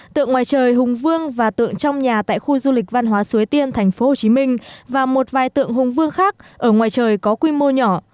tượng ngoài trời hùng vương và tượng trong nhà tại khu du lịch văn hóa xuế tiên thành phố hồ chí minh và một vài tượng hùng vương khác ở ngoài trời có quy mô nhỏ